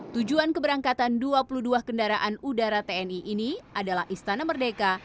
tujuan keberangkatan dua puluh dua kendaraan udara tni ini adalah istana merdeka